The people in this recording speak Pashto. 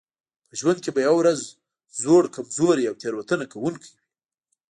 په ژوند کې به یوه ورځ زوړ کمزوری او تېروتنه کوونکی وئ.